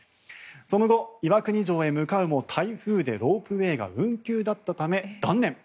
その後、岩国城へ向かうも台風でロープウェーが運休だったため断念。